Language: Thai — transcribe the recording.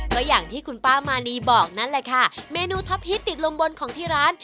ก็อย่างที่คุณป้ามานีบอกนั่นแหละค่ะเมนูท็อปฮิตติดลมบนของที่ร้าน